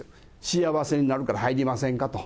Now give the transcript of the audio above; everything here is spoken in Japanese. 幸せになるから入りませんかと。